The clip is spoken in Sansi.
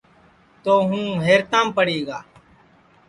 تو ہوں حیرتام پڑی گا